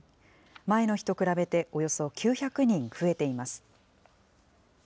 前の日と比べておよそ９００人増えています。